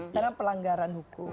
karena pelanggaran hukum